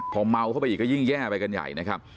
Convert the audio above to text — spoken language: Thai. พอเมาเข้าไปอีกก็ยิ่งแย่ไปกันใหญ่นะครับ